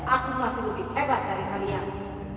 aku masih lebih hebat dari harian